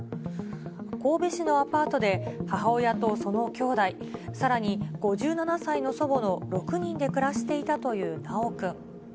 神戸市のアパートで母親とそのきょうだい、さらに５７歳の祖母の６人で暮らしていたという修くん。